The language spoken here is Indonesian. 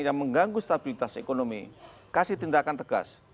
yang mengganggu stabilitas ekonomi kasih tindakan tegas